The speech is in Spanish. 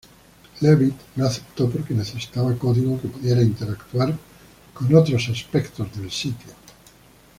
Leavitt no aceptó porque necesitaba código que pudiera interactuar con otros aspectos del sitio.